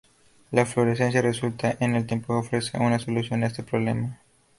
La fluorescencia resuelta en el tiempo ofrece una solución a este problema.